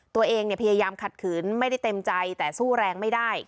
ตัวเองพยายามขัดขืนไม่ได้เต็มใจแต่สู้แรงไม่ได้